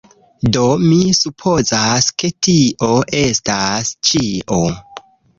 Do, mi supozas, ke tio estas ĉio